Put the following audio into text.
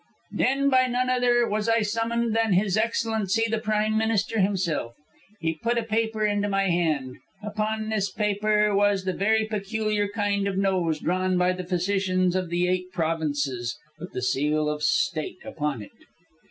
"Then by none other was I summoned than His Excellency the Prime Minister himself. He put a paper into my hand. Upon this paper was the very peculiar kind of nose drawn by the physicians of the Eight Provinces, with the seal of State upon it.